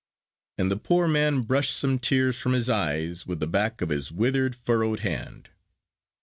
And the poor man brushed some tears from his eyes with the back of his withered, furrowed hand.